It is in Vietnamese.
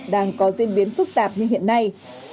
đang có diễn biến phức tạp như hiện nay